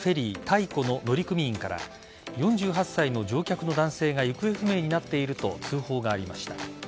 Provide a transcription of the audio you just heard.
「太古」の乗組員から４８歳の乗客の男性が行方不明になっていると通報がありました。